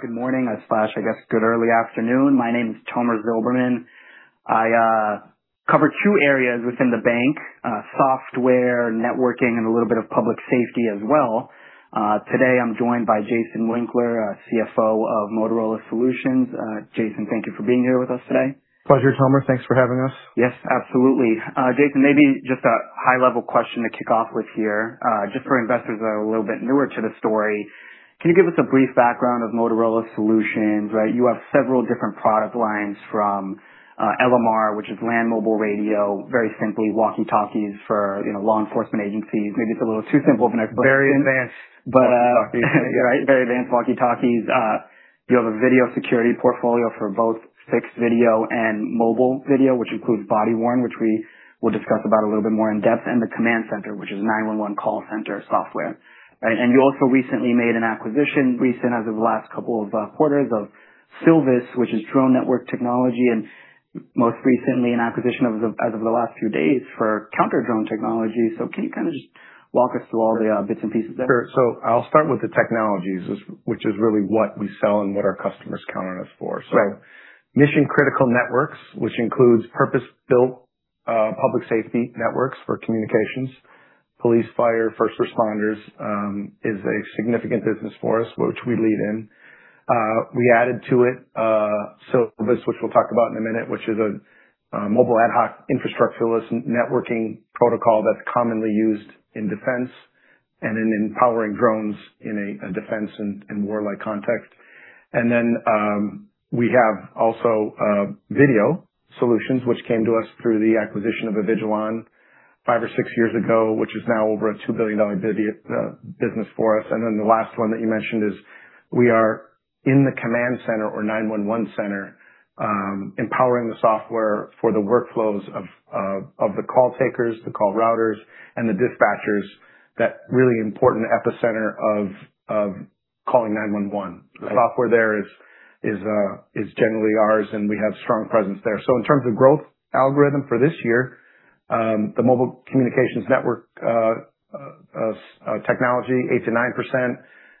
Good morning. I guess good early afternoon. My name is Tomer Zilberman. I cover two areas within the bank, software, networking, and a little bit of public safety as well. Today, I'm joined by Jason Winkler, CFO of Motorola Solutions. Jason, thank you for being here with us today. Pleasure, Tomer. Thanks for having us. Yes, absolutely. Jason, maybe just a high-level question to kick off with here. Just for investors that are a little bit newer to the story, can you give us a brief background of Motorola Solutions? You have several different product lines from LMR, which is Land Mobile Radio, very simply walkie-talkies for law enforcement agencies. Maybe it's a little too simple of an explanation. Very advanced walkie-talkies. Right. Very advanced walkie-talkies. You have a video security portfolio for both fixed video and mobile video, which includes body-worn, which we will discuss about a little bit more in depth, and the command center, which is 911 call center software. You also recently made an acquisition, recent as of the last couple of quarters, of Silvus, which is drone network technology, and most recently an acquisition as of the last few days for counter-drone technology. Can you just walk us through all the bits and pieces there? Sure. I'll start with the technologies, which is really what we sell and what our customers count on us for. Right. Mission critical networks, which includes purpose-built public safety networks for communications, police, fire, first responders, is a significant business for us, which we lead in. We added to it Silvus, which we'll talk about in a minute, which is a mobile ad hoc infrastructureless networking protocol that's commonly used in defense and in empowering drones in a defense and war-like context. We have also video solutions, which came to us through the acquisition of Avigilon five or six years ago, which is now over a $2 billion business for us. The last one that you mentioned is we are in the command center or 911 center, empowering the software for the workflows of the call takers, the call routers, and the dispatchers, that really important epicenter of calling 911. Right. The software there is generally ours, and we have strong presence there. In terms of growth algorithm for this year, the mobile communications network technology, 8%-9%,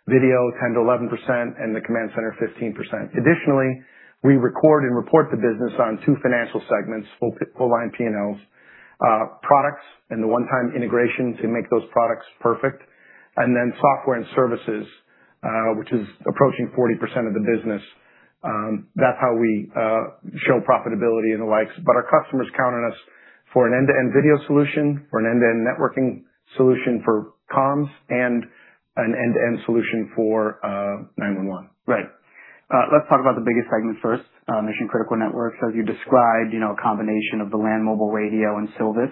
video, 10%-11%, and the command center, 15%. Additionally, we record and report the business on two financial segments, full line P&Ls, products and the one-time integration to make those products perfect. Software and services, which is approaching 40% of the business. That's how we show profitability and the likes. Our customers count on us for an end-to-end video solution, for an end-to-end networking solution for comms, and an end-to-end solution for 911. Right. Let's talk about the biggest segment first, Mission Critical Networks. As you described, a combination of the Land Mobile Radio and Silvus.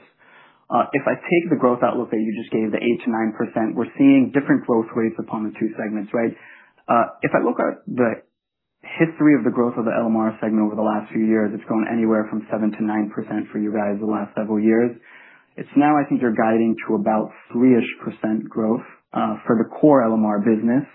If I take the growth outlook that you just gave, the 8%-9%, we're seeing different growth rates upon the two segments, right? If I look at the history of the growth of the LMR segment over the last few years, it's grown anywhere from 7%-9% for you guys the last several years. It's now, I think you're guiding to about 3%-ish growth for the core LMR business,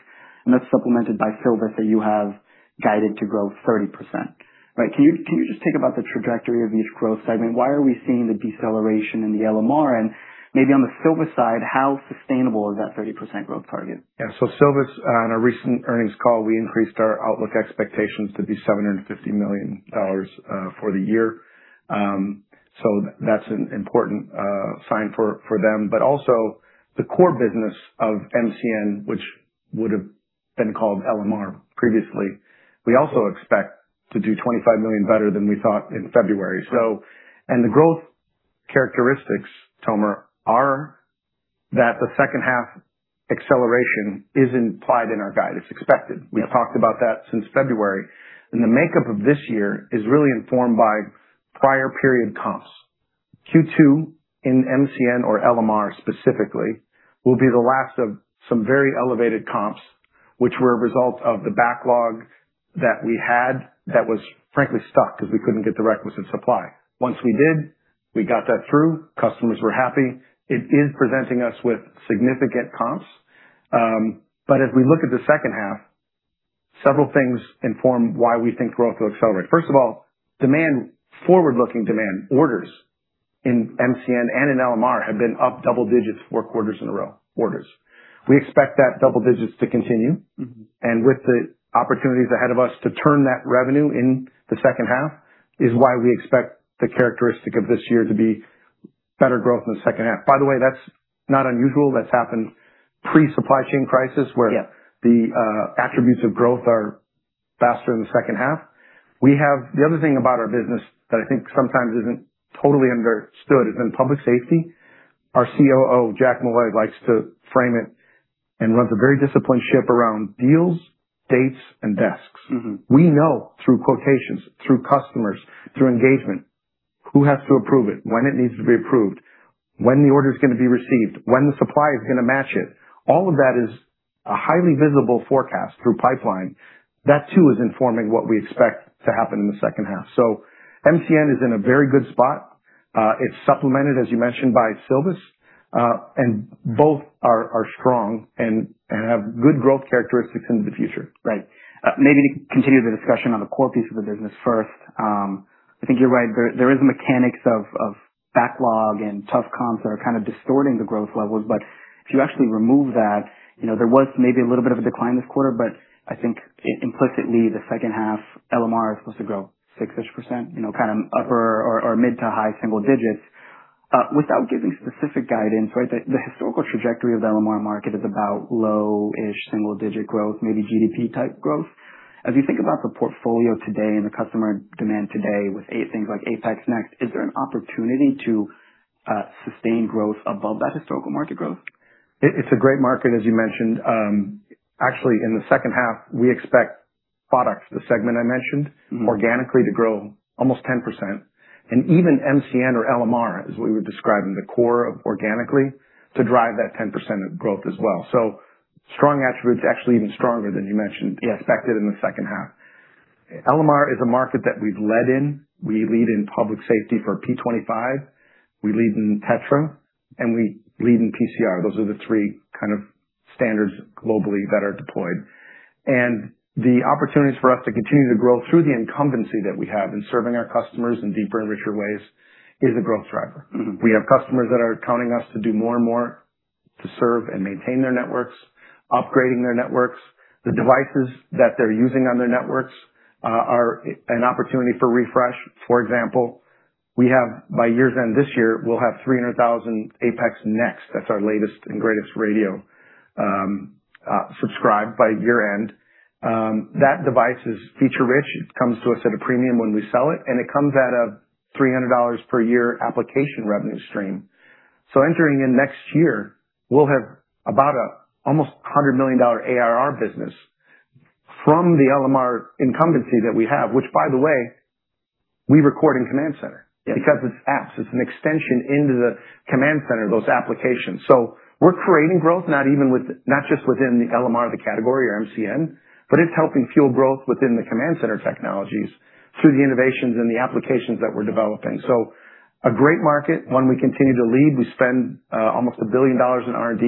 and that's supplemented by Silvus that you have guided to grow 30%. Can you just talk about the trajectory of each growth segment? Why are we seeing the deceleration in the LMR, and maybe on the Silvus side, how sustainable is that 30% growth target? Yeah. Silvus, on our recent earnings call, we increased our outlook expectations to be $750 million for the year. That's an important sign for them. Also the core business of MCN, which would've been called LMR previously, we also expect to do $25 million better than we thought in February. The growth characteristics, Tomer, are that the second half acceleration is implied in our guide. It's expected. Yep. We've talked about that since February. The makeup of this year is really informed by prior period comps. Q2 in MCN or LMR specifically, will be the last of some very elevated comps, which were a result of the backlog that we had that was frankly stuck because we couldn't get the requisite supply. Once we did, we got that through, customers were happy. It is presenting us with significant comps. As we look at the second half, several things inform why we think growth will accelerate. First of all, forward-looking demand, orders in MCN and in LMR have been up double digits four quarters in a row. Orders. We expect that double digits to continue. With the opportunities ahead of us to turn that revenue in the second half is why we expect the characteristic of this year to be better growth in the second half. By the way, that's not unusual. That's happened pre-supply chain crisis. Yeah where the attributes of growth are faster in the second half. The other thing about our business that I think sometimes isn't totally understood is in public safety, our COO, Jack Molloy, likes to frame it and runs a very disciplined ship around deals, dates, and desks. We know through quotations, through customers, through engagement, who has to approve it, when it needs to be approved, when the order's going to be received, when the supply is going to match it. All of that is a highly visible forecast through pipeline. That too is informing what we expect to happen in the second half. MCN is in a very good spot. It's supplemented, as you mentioned, by Silvus. Both are strong and have good growth characteristics into the future. Right. Maybe to continue the discussion on the core piece of the business first. I think you're right. There is mechanics of backlog and tough comps that are kind of distorting the growth levels. If you actually remove that, there was maybe a little bit of a decline this quarter, but I think implicitly, the second half LMR is supposed to grow six-ish%, kind of upper or mid-to-high single digits. Without giving specific guidance, the historical trajectory of the LMR market is about low-ish single-digit growth, maybe GDP type growth. As you think about the portfolio today and the customer demand today with things like APX NEXT, is there an opportunity to sustain growth above that historical market growth? It's a great market, as you mentioned. Actually, in the second half, we expect products, the segment I mentioned, organically to grow almost 10%. Even MCN or LMR, as we were describing the core of organically, to drive that 10% of growth as well. Strong attributes, actually even stronger than you mentioned, expected in the second half. LMR is a market that we've led in. We lead in public safety for P25. We lead in TETRA, and we lead in DMR. Those are the three kind of standards globally that are deployed. The opportunities for us to continue to grow through the incumbency that we have in serving our customers in deeper and richer ways is a growth driver. We have customers that are counting us to do more and more to serve and maintain their networks, upgrading their networks. The devices that they're using on their networks are an opportunity for refresh. For example, by year's end this year, we'll have 300,000 APX NEXT, that's our latest and greatest radio, subscribed by year-end. That device is feature-rich. It comes to us at a premium when we sell it, and it comes at a $300 per year application revenue stream. Entering in next year, we'll have about almost $100 million ARR business from the LMR incumbency that we have, which by the way, we record in Command Center. Yeah. It's apps. It's an extension into the Command Center, those applications. We're creating growth, not just within the LMR of the category or MCN, but it's helping fuel growth within the Command Center technologies through the innovations and the applications that we're developing. A great market. One we continue to lead. We spend almost $1 billion in R&D.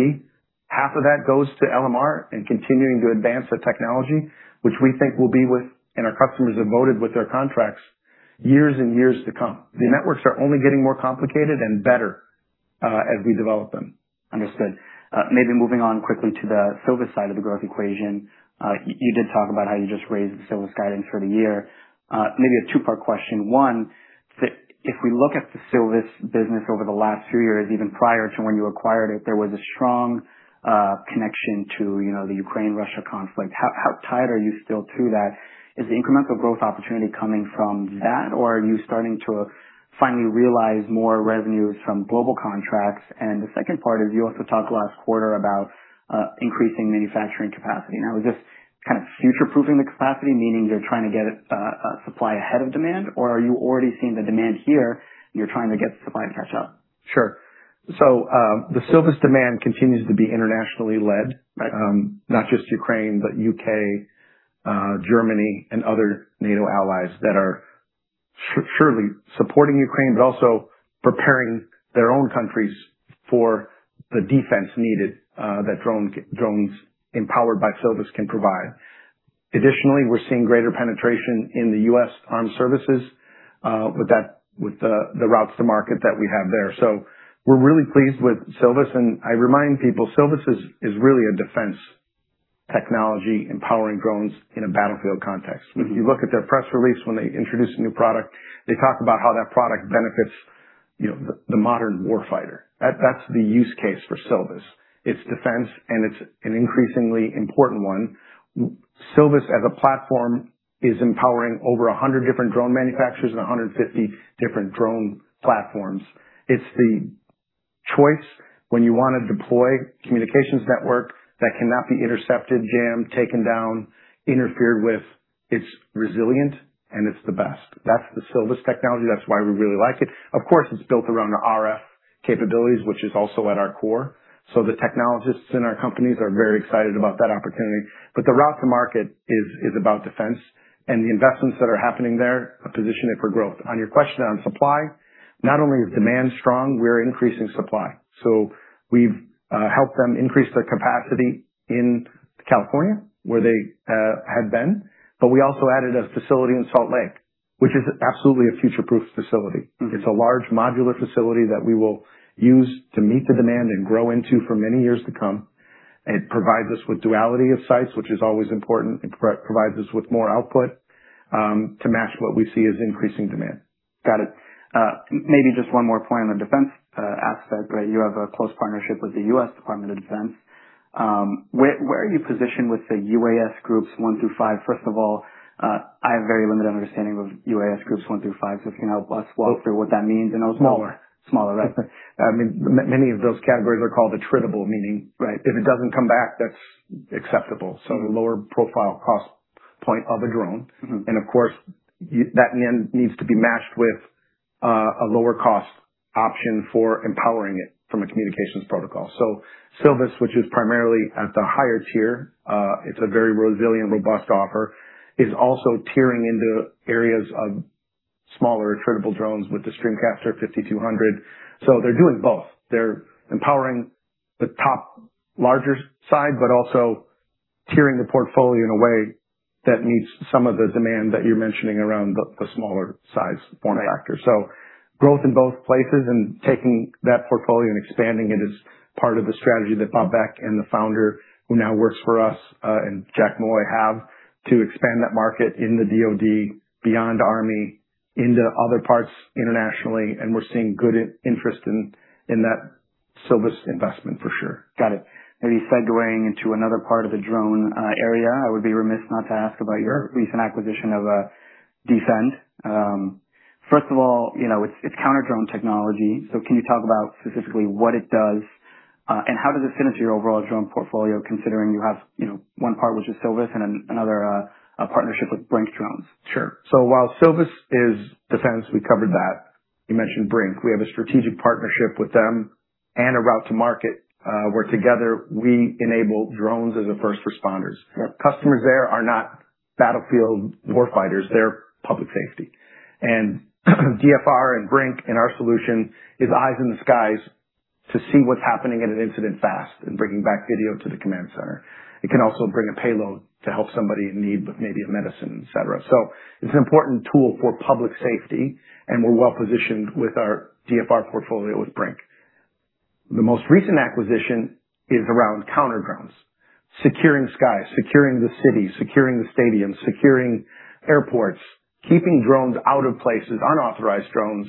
Half of that goes to LMR and continuing to advance the technology, which we think will be with, and our customers have voted with their contracts, years and years to come. The networks are only getting more complicated and better as we develop them. Understood. Maybe moving on quickly to the Silvus side of the growth equation. You did talk about how you just raised Silvus's guidance for the year. Maybe a two-part question. One, if we look at the Silvus's business over the last few years, even prior to when you acquired it, there was a strong connection to the Ukraine-Russia conflict. How tied are you still to that? Is the incremental growth opportunity coming from that, or are you starting to finally realize more revenues from global contracts? The second part is, you also talked last quarter about increasing manufacturing capacity. Now, is this kind of future-proofing the capacity, meaning you're trying to get supply ahead of demand, or are you already seeing the demand here and you're trying to get supply to catch up? Sure. The Silvus's demand continues to be internationally led. Right. Not just Ukraine, but U.K., Germany, and other NATO allies that are surely supporting Ukraine, but also preparing their own countries for the defense needed that drones empowered by Silvus can provide. Additionally, we're seeing greater penetration in the U.S. Armed Forces with the routes to market that we have there. We're really pleased with Silvus, and I remind people, Silvus is really a defense technology empowering drones in a battlefield context. If you look at their press release when they introduce a new product, they talk about how that product benefits the modern warfighter. That's the use case for Silvus. It's defense, it's an increasingly important one. Silvus as a platform is empowering over 100 different drone manufacturers and 150 different drone platforms. It's the choice when you want to deploy communications network that cannot be intercepted, jammed, taken down, interfered with. It's resilient, it's the best. That's the Silvus's technology. That's why we really like it. Of course, it's built around our RF capabilities, which is also at our core. The technologists in our companies are very excited about that opportunity. The route to market is about defense, and the investments that are happening there position it for growth. On your question on supply, not only is demand strong, we're increasing supply. We've helped them increase their capacity in California, where they had been. We also added a facility in Salt Lake, which is absolutely a future-proof facility. It's a large modular facility that we will use to meet the demand and grow into for many years to come. It provides us with duality of sites, which is always important. It provides us with more output to match what we see as increasing demand. Got it. Maybe just one more point on the defense aspect. You have a close partnership with the U.S. Department of Defense. Where are you positioned with the UAS groups one through five? First of all, I have very limited understanding of UAS groups one through five, so if you can help us walk through what that means. Smaller. Smaller. Right. Many of those categories are called attritable, meaning. Right if it doesn't come back, that's acceptable. Lower profile cost point of a drone. Of course, that then needs to be matched with a lower cost option for empowering it from a communications protocol. Silvus, which is primarily at the higher tier, it's a very resilient, robust offer, is also tiering into areas of smaller attritable drones with the StreamCaster 5200. They're doing both. They're empowering the top larger side, but also tiering the portfolio in a way that meets some of the demand that you're mentioning around the smaller size form factor. Right. Growth in both places and taking that portfolio and expanding it is part of the strategy that Bob Beck and the founder, who now works for us, and Jack Molloy, have to expand that market in the DoD beyond Army into other parts internationally. We're seeing good interest in that Silvus investment for sure. Got it. Maybe segueing into another part of the drone area, I would be remiss not to ask about your recent acquisition of D-Fend. First of all, it's counter-drone technology. Can you talk about specifically what it does, and how does it fit into your overall drone portfolio considering you have one part, which is Silvus, and another, a partnership with BRINC Drones? Sure. While Silvus is defense, we covered that. You mentioned BRINC. We have a strategic partnership with them and a route to market, where together we enable drones as a first responders. Yep. Customers there are not battlefield warfighters, they're public safety. DFR and BRINC and our solution is eyes in the skies to see what's happening in an incident fast and bringing back video to the command center. It can also bring a payload to help somebody in need with maybe a medicine, et cetera. It's an important tool for public safety, and we're well-positioned with our DFR portfolio with BRINC. The most recent acquisition is around counter-drones, securing skies, securing the city, securing the stadiums, securing airports, keeping drones out of places, unauthorized drones.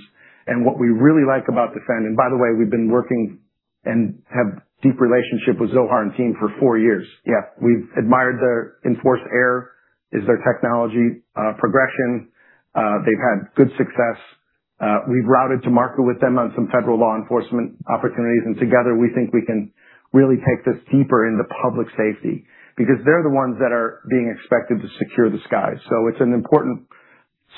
What we really like about D-Fend, and by the way, we've been working and have deep relationship with Zohar and team for four years. Yeah. We've admired their EnforceAir, is their technology progression. They've had good success. We've routed to market with them on some federal law enforcement opportunities. Together we think we can really take this deeper into public safety because they're the ones that are being expected to secure the skies. It's an important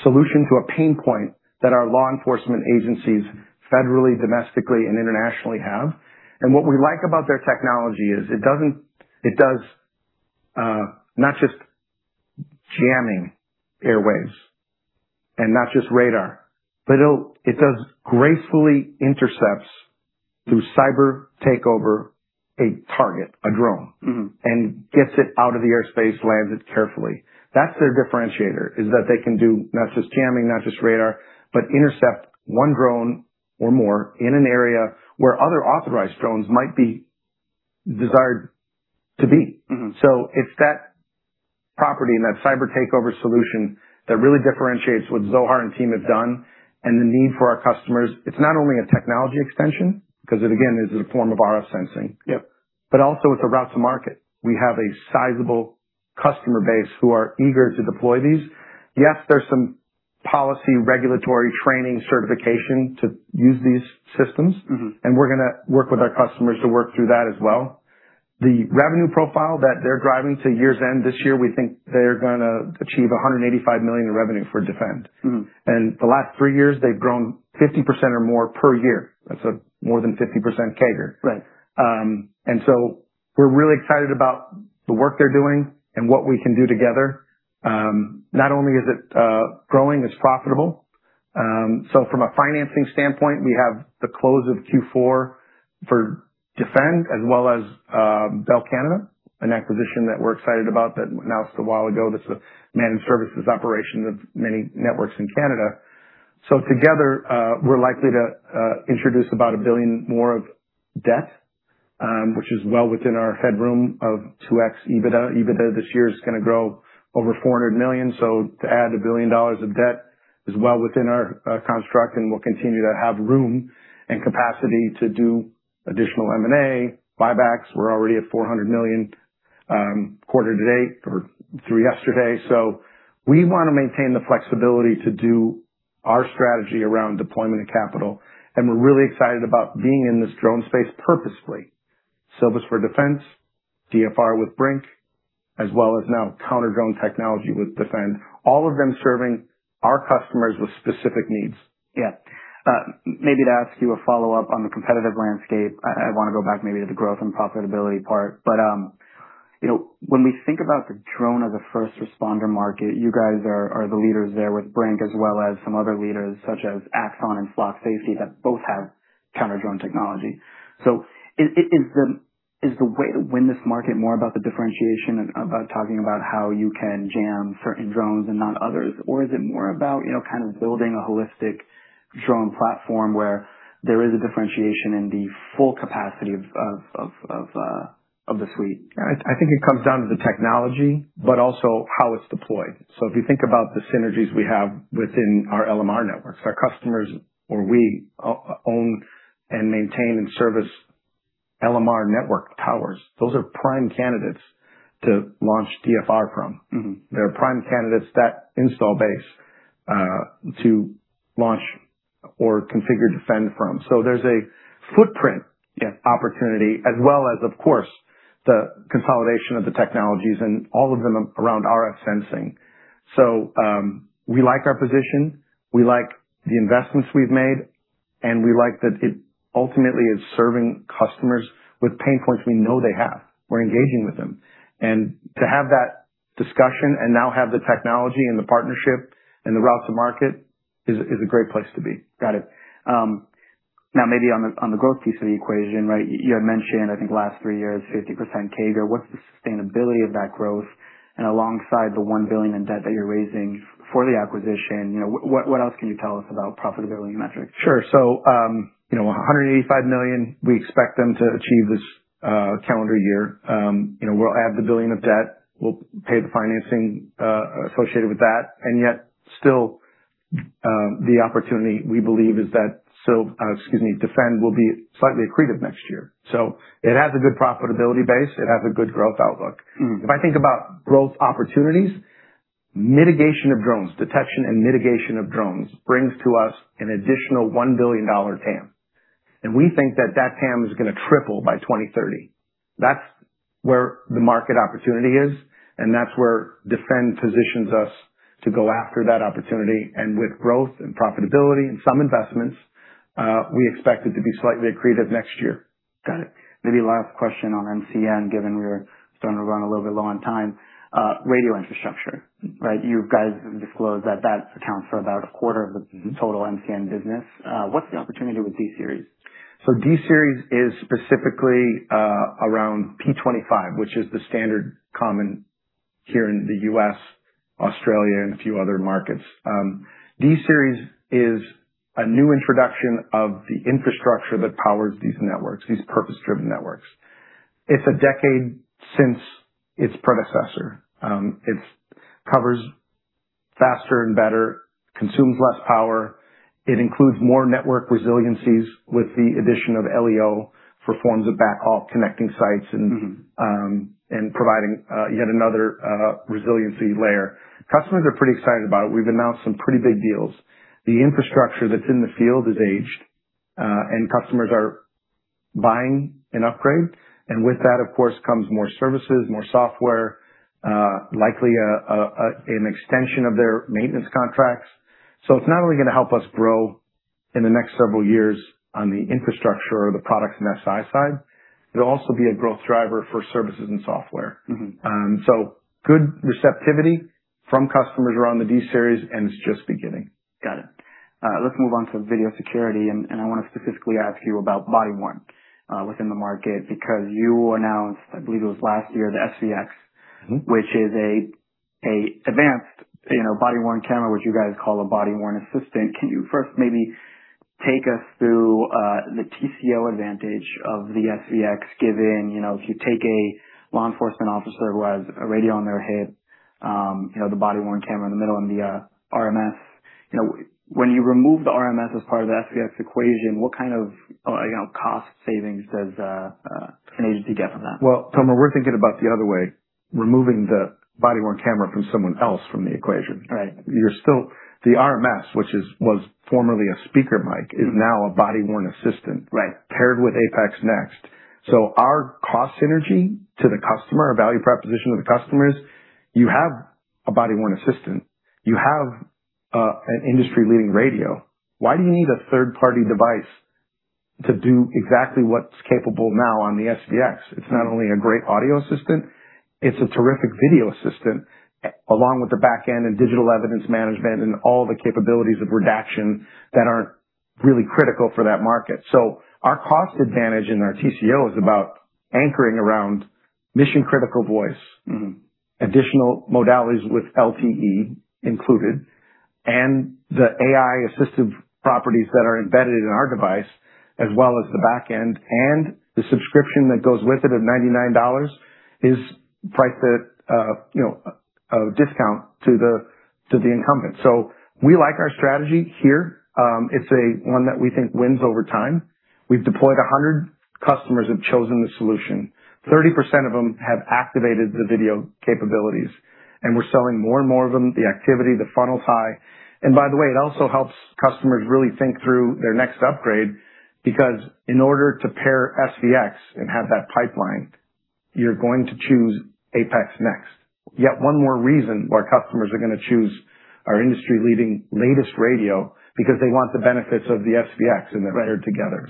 solution to a pain point that our law enforcement agencies federally, domestically, and internationally have. What we like about their technology is it does not just jamming airwaves and not just radar, but it does gracefully intercepts through cyber takeover a target, a drone. Gets it out of the airspace, lands it carefully. That's their differentiator, is that they can do not just jamming, not just radar, but intercept one drone or more in an area where other authorized drones might be desired to be. It's that property and that cyber takeover solution that really differentiates what Zohar and team have done and the need for our customers. It's not only a technology extension because it again, is a form of RF sensing. Yep. Also it's a route to market. We have a sizable customer base who are eager to deploy these. Yes, there's some policy regulatory training certification to use these systems. We're going to work with our customers to work through that as well. The revenue profile that they're driving to year's end this year, we think they're gonna achieve $185 million in revenue for D-Fend. The last three years they've grown 50% or more per year. That's a more than 50% CAGR. Right. We're really excited about the work they're doing and what we can do together. Not only is it growing, it's profitable. From a financing standpoint, we have the close of Q4 for D-Fend as well as Bell Canada, an acquisition that we're excited about that announced a while ago. That's a managed services operation of many networks in Canada. Together, we're likely to introduce about $1 billion more of debt, which is well within our headroom of 2x EBITDA. EBITDA this year is going to grow over $400 million. To add $1 billion of debt is well within our construct, and we'll continue to have room and capacity to do additional M&A, buybacks. We're already at $400 million quarter to date or through yesterday. We want to maintain the flexibility to do our strategy around deployment of capital, and we're really excited about being in this drone space purposefully. Silvus for defense, DFR with BRINC, as well as now counter-drone technology with D-Fend, all of them serving our customers with specific needs. Yeah. Maybe to ask you a follow-up on the competitive landscape, I want to go back maybe to the growth and profitability part. When we think about the drone as a first responder market, you guys are the leaders there with BRINC as well as some other leaders such as Axon and Flock Safety that both have counter-drone technology. Is the way to win this market more about the differentiation, about talking about how you can jam certain drones and not others? Is it more about kind of building a holistic drone platform where there is a differentiation in the full capacity of the suite? I think it comes down to the technology, also how it's deployed. If you think about the synergies we have within our LMR networks, our customers or we own and maintain and service LMR network towers. Those are prime candidates to launch DFR from. They are prime candidates, that install base, to launch or configure D-Fend from. There's a footprint. Yeah opportunity as well as, of course, the consolidation of the technologies and all of them around RF sensing. We like our position. We like the investments we've made. We like that it ultimately is serving customers with pain points we know they have. We're engaging with them. To have that discussion and now have the technology and the partnership and the route to market is a great place to be. Got it. Now maybe on the growth piece of the equation, you had mentioned, I think last three years, 50% CAGR. What's the sustainability of that growth? Alongside the $1 billion in debt that you're raising for the acquisition, what else can you tell us about profitability metrics? Sure. $185 million, we expect them to achieve this calendar year. We'll add the $1 billion of debt. We'll pay the financing associated with that. The opportunity, we believe, D-Fend will be slightly accretive next year. It has a good profitability base. It has a good growth outlook. If I think about growth opportunities, mitigation of drones, detection and mitigation of drones brings to us an additional $1 billion TAM. We think that that TAM is going to triple by 2030. That's where the market opportunity is, and that's where D-Fend positions us to go after that opportunity. With growth and profitability and some investments, we expect it to be slightly accretive next year. Got it. Maybe last question on MCN, given we're starting to run a little bit low on time. Radio infrastructure. You guys have disclosed that accounts for about a quarter of the total MCN business. What's the opportunity with D-Series? D-Series is specifically around P25, which is the standard common here in the U.S., Australia, and a few other markets. D-Series is a new introduction of the infrastructure that powers these networks, these purpose-driven networks. It's a decade since its predecessor. It covers faster and better, consumes less power. It includes more network resiliencies with the addition of LEO for forms of backhaul connecting sites. Providing yet another resiliency layer. Customers are pretty excited about it. We've announced some pretty big deals. The infrastructure that's in the field is aged, and customers are buying an upgrade. With that, of course, comes more services, more software, likely an extension of their maintenance contracts. It's not only going to help us grow in the next several years on the infrastructure or the products and SI side, it'll also be a growth driver for services and software. Good receptivity from customers around the D-Series, and it's just beginning. Got it. Let's move on to video security. I want to specifically ask you about body-worn within the market, because you announced, I believe it was last year, the V500. Which is an advanced body-worn camera, which you guys call a body-worn assistant. Can you first maybe take us through the TCO advantage of the V500, given if you take a law enforcement officer who has a radio on their head, the body-worn camera in the middle, and the RMS. When you remove the RMS as part of the V500 equation, what kind of cost savings does an agency get from that? Well, Tomer, we're thinking about the other way, removing the body-worn camera from someone else from the equation. Right. The RMS, which was formerly a speaker mic, is now a body-worn assistant. Right. Paired with APX NEXT. Our cost synergy to the customer, our value proposition to the customer is, you have a body-worn assistant. You have an industry-leading radio. Why do you need a third-party device to do exactly what's capable now on the V500? It's not only a great audio assistant, it's a terrific video assistant, along with the back end and digital evidence management and all the capabilities of redaction that are really critical for that market. Our cost advantage in our TCO is about anchoring around mission-critical voice. Additional modalities with LTE included, and the AI-assistive properties that are embedded in our device, as well as the back end, and the subscription that goes with it at $99 is priced at a discount to the incumbent. We like our strategy here. It's one that we think wins over time. We've deployed 100 customers who've chosen the solution. 30% of them have activated the video capabilities, and we're selling more and more of them. The activity, the funnel's high. By the way, it also helps customers really think through their next upgrade, because in order to pair V500 and have that pipeline, you're going to choose APX NEXT. Yet one more reason why customers are going to choose our industry-leading latest radio because they want the benefits of the V500, and they're paired together.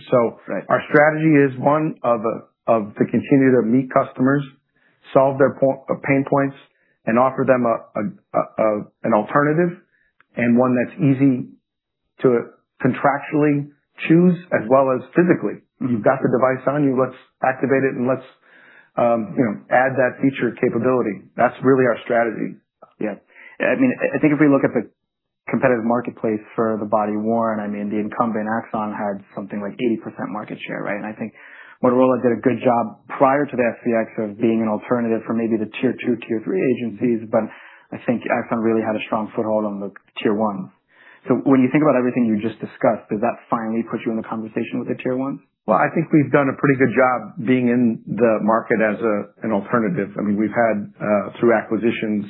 Right. Our strategy is one, to continue to meet customers, solve their pain points, and offer them an alternative and one that's easy to contractually choose as well as physically. You've got the device on you, let's activate it, and let's add that feature capability. That's really our strategy. Yeah. I think if we look at the competitive marketplace for the body-worn, the incumbent Axon had something like 80% market share, right? I think Motorola did a good job prior to the V500 of being an alternative for maybe the tier two, tier three agencies, but I think Axon really had a strong foothold on the tier 1. When you think about everything you just discussed, does that finally put you in the conversation with the tier one? Well, I think we've done a pretty good job being in the market as an alternative. We've had, through acquisitions,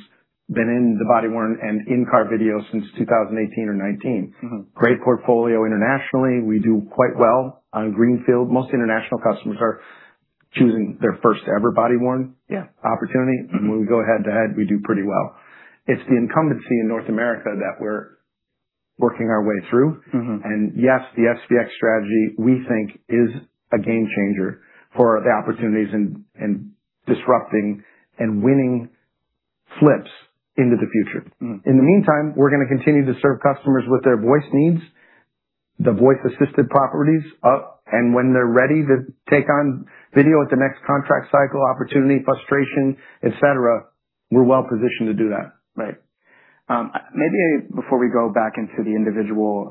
been in the body-worn and in-car video since 2018 or 2019. Great portfolio internationally. We do quite well on greenfield. Most international customers are choosing their first-ever body-worn. Yeah opportunity. When we go head-to-head, we do pretty well. It's the incumbency in North America that we're working our way through. Yes, the V500 strategy, we think, is a game changer for the opportunities in disrupting and winning flips into the future. In the meantime, we're going to continue to serve customers with their voice needs, the voice-assisted properties up, and when they're ready to take on video at the next contract cycle opportunity, frustration, et cetera, we're well-positioned to do that. Right. Maybe before we go back into the individual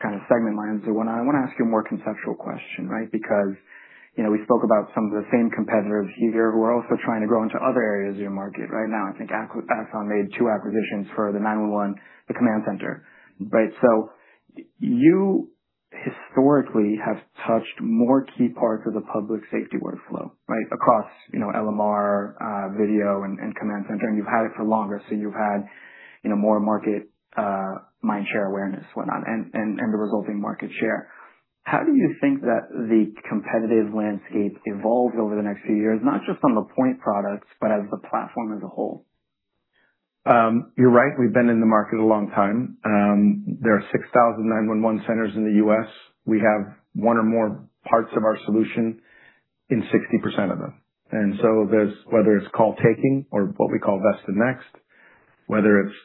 segment lines, I want to ask you a more conceptual question. We spoke about some of the same competitors here who are also trying to grow into other areas of your market right now. I think Axon made two acquisitions for the 911, the command center. You historically have touched more key parts of the public safety workflow acr oss LMR, video, and command center, and you've had it for longer, so you've had more market mind share awareness, whatnot, and the resulting market share. How do you think that the competitive landscape evolves over the next few years, not just on the point products, but as the platform as a whole? You're right. We've been in the market a long time. There are 6,000 911 centers in the U.S. We have one or more parts of our solution in 60% of them. Whether it's call taking or what we call VESTA NXT, whether it's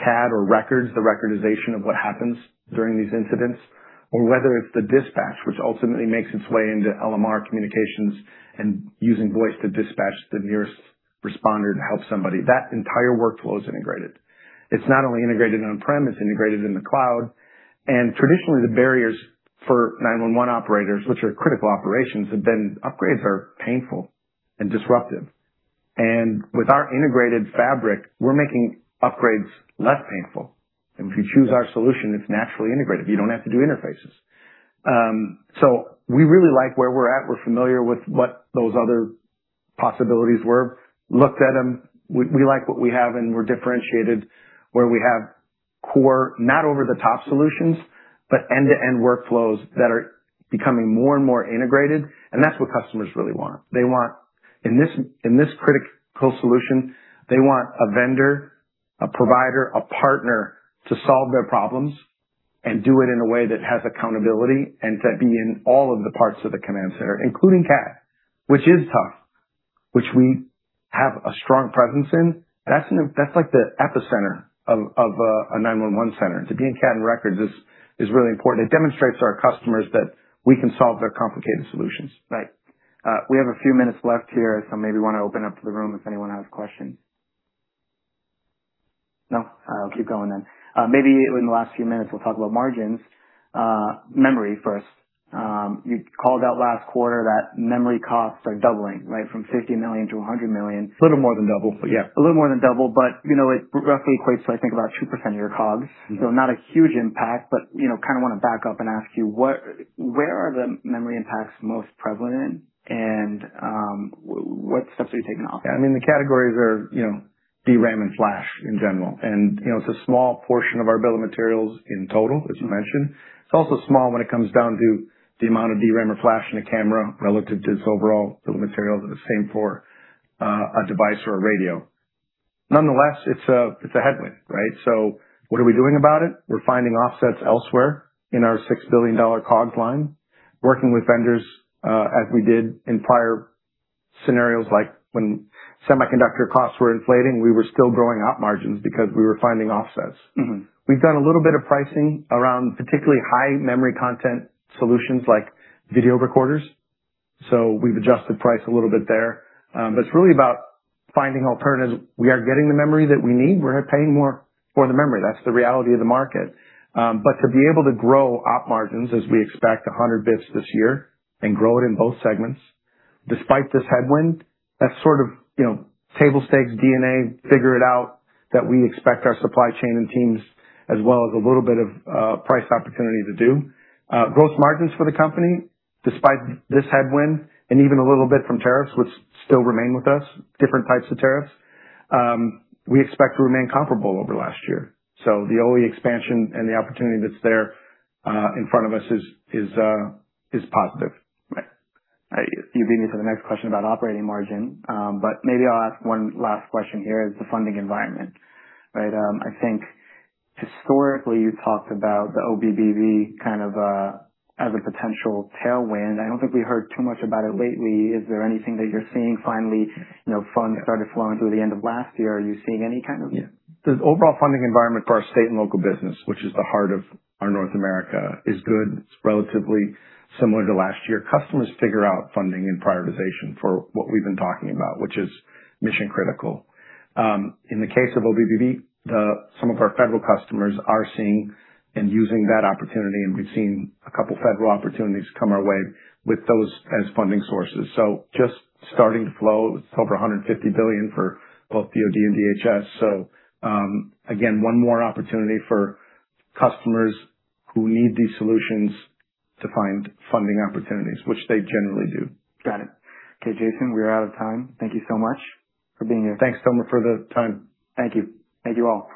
CAD or records, the recordization of what happens during these incidents, or whether it's the dispatch, which ultimately makes its way into LMR communications and using voice to dispatch the nearest responder to help somebody. That entire workflow is integrated. It's not only integrated on-prem, it's integrated in the cloud. Traditionally, the barriers for 911 operators, which are critical operations, have been upgrades are painful and disruptive. With our integrated fabric, we're making upgrades less painful. If you choose our solution, it's naturally integrated. You don't have to do interfaces. We really like where we're at. We're familiar with what those other possibilities were, looked at them. We like what we have, and we're differentiated where we have core, not over-the-top solutions, but end-to-end workflows that are becoming more and more integrated, and that's what customers really want. In this critical solution, they want a vendor, a provider, a partner to solve their problems and do it in a way that has accountability, and to be in all of the parts of the command center, including CAD, which is tough, which we have a strong presence in. That's like the epicenter of a 911 center. To be in CAD and records is really important. It demonstrates to our customers that we can solve their complicated solutions. Right. We have a few minutes left here, so maybe want to open up to the room if anyone has questions. No? I'll keep going then. Maybe in the last few minutes, we'll talk about margins. Memory first. You called out last quarter that memory costs are doubling, from $50 million - $100 million. Little more than double, but yeah. A little more than double, but it roughly equates to, I think, about two % of your COGS. Not a huge impact, but kind of want to back up and ask you, where are the memory impacts most prevalent in, and what steps are you taking off? The categories are DRAM and flash in general. It's a small portion of our bill of materials in total, as you mentioned. It's also small when it comes down to the amount of DRAM or flash in a camera relative to its overall bill of materials, or the same for a device or a radio. Nonetheless, it's a headwind. What are we doing about it? We're finding offsets elsewhere in our $6 billion COGS line, working with vendors, as we did in prior scenarios, like when semiconductor costs were inflating, we were still growing op margins because we were finding offsets. We've done a little bit of pricing around particularly high memory content solutions like video recorders. We've adjusted price a little bit there. It's really about finding alternatives. We are getting the memory that we need. We're paying more for the memory. That's the reality of the market. To be able to grow op margins as we expect 100 basis points this year and grow it in both segments despite this headwind, that's sort of table stakes DNA, figure it out, that we expect our supply chain and teams as well as a little bit of price opportunity to do. Gross margins for the company, despite this headwind and even a little bit from tariffs, which still remain with us, different types of tariffs, we expect to remain comparable over last year. The OE expansion and the opportunity that's there in front of us is positive. Right. You lead me to the next question about operating margin. Maybe I'll ask one last question here is the funding environment. I think historically, you talked about the OBBV kind of as a potential tailwind. I don't think we heard too much about it lately. Is there anything that you're seeing finally? Funds started flowing through the end of last year. Are you seeing any kind of- Yeah. The overall funding environment for our state and local business, which is the heart of our North America, is good. It's relatively similar to last year. Customers figure out funding and prioritization for what we've been talking about, which is mission-critical. In the case of OBBV, some of our federal customers are seeing and using that opportunity, and we've seen a couple of federal opportunities come our way with those as funding sources. Just starting to flow. It's over $150 billion for both DoD and DHS. Again, one more opportunity for customers who need these solutions to find funding opportunities, which they generally do. Got it. Okay, Jason, we are out of time. Thank you so much for being here. Thanks so much for the time. Thank you. Thank you all.